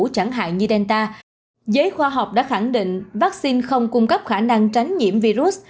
chẳng hạn như delta giới khoa học đã khẳng định vaccine không cung cấp khả năng tránh nhiễm virus